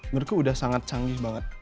menurutku udah sangat canggih banget